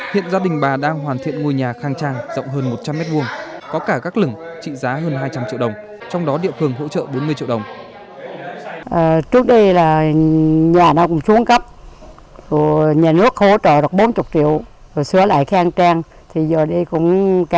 hiện gia đình bà đang hoàn thiện ngôi nhà khang trang rộng hơn một trăm linh m hai có cả các lửng trị giá hơn hai trăm linh triệu đồng trong đó địa phương hỗ trợ bốn mươi triệu đồng